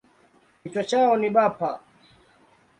Kichwa chao ni bapa.